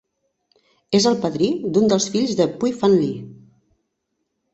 És el padrí d"un dels fills de Pui Fan Lee.